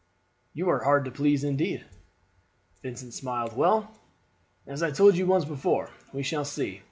You are hard to please indeed." Vincent smiled. "Well, as I told you once before, we shall see.